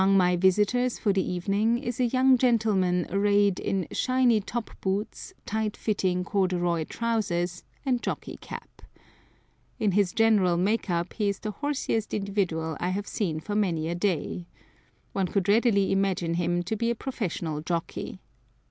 Among my visitors for the evening is a young gentleman arrayed in shiny top boots, tight fitting corduroy trousers, and jockey cap. In his general make up he is the "horsiest" individual I have seen for many a day. One could readily imagine him to be a professional jockey.